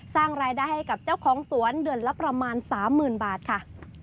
สร้างรายได้ให้กับเจ้าของสวนเดือนละประมาณ๓๐๐๐บาทค่ะ